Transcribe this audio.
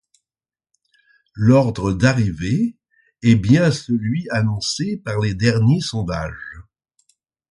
L'ordre d'arrivée est bien celui annoncé par les derniers sondages.